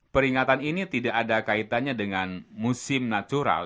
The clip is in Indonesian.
peringatan ini tidak ada kaitannya dengan musim natural